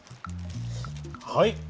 はい。